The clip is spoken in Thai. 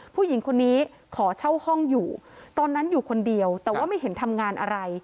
ผู้หญิงคนนี้ขอเช่าห้องอยู่ตอนนั้นอยู่คนเดียวแต่ว่าไม่เห็นทำงานอะไร